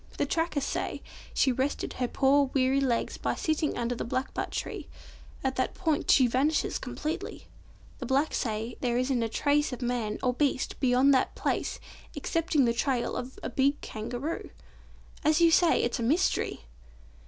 The trackers say she rested her poor weary legs by sitting under the blackbutt tree. At that point she vanishes completely. The blacks say there isn't a trace of man, or beast, beyond that place excepting the trail of a big Kangaroo. As you say, it's a mystery!"